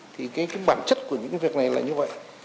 thì cái bản chất của những việc này là như vậy